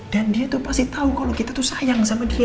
dan dia tuh pasti tau kalo kita tuh sayang sama dia